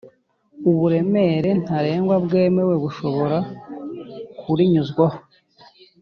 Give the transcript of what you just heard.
Uburemere ntaregwa bwemewe bushobora kurinyuzwaho